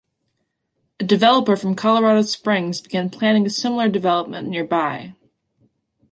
A developer from Colorado Springs began planning a similar development nearby.